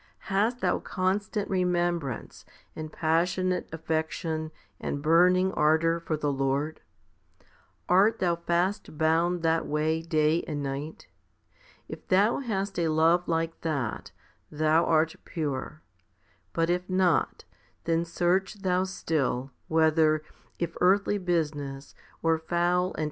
Hast thou constant remembrance, and passionate affection, and burning ardour for the Lord? Art thou fast bound that way day and night? If thou hast a love like that, thou art pure ; but if not, then search thou still, whether, if earthly business or foul and evil 1 Matt.